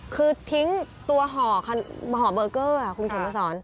คือทิ้งตัวห่อเบอร์เกอร์คุณเขียนมาสอน